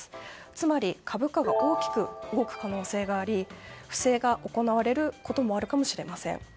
つまり株価が大きく動く可能性があり不正が行われることもあるかもしれません。